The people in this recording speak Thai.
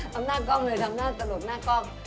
ทำหน้ากล้องเลยทำหน้าตลกหน้ากล้อง